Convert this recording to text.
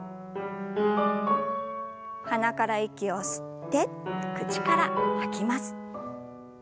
鼻から息を吸って口から吐きます。